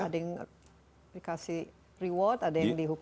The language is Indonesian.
dikasih reward ada yang dihukum